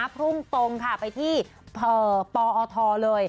พุ่งตรงค่ะไปที่ปอทเลย